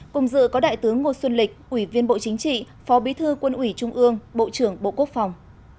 cùng dự có đại tướng ngô xuân lịch ủy viên bộ chính trị phó bí thư quân ủy trung ương bộ trưởng bộ quốc phòng